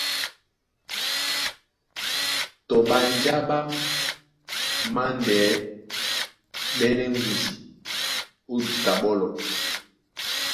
Tɔ ɓanjá ɓá māndɛɛ́ ɓɛ́nɛ ŋgudi ó duta ɓɔ́lɔ,